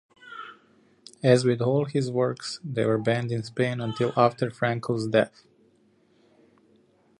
As with all his works, they were banned in Spain until after Franco's death.